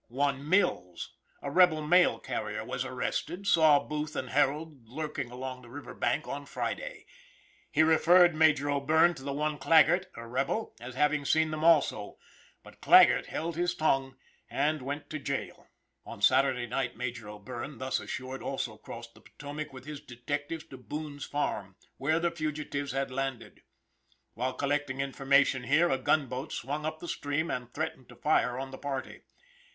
One Mills, a rebel mail carrier, also arrested, saw Booth and Harold lurking along the river bank on Friday; he referred Major O'Bierne to one Claggert, a rebel, as having seen them also; but Claggert held his tongue, and went to jail. On Saturday night, Major O'Bierne, thus assured, also crossed the Potomac with his detectives to Boon's farm, where the fugitives had landed. While collecting information here a gunboat swung up the stream, and threatened to fire on the party.